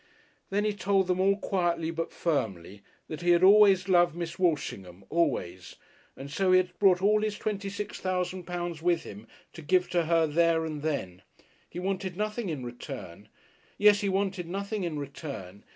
Then he told them all quietly but firmly that he had always loved Miss Walshingham, always, and so he had brought all his twenty six thousand pounds with him to give to her there and then. He wanted nothing in return.... Yes, he wanted nothing in return.